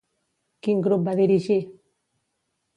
Quin grup va dirigir?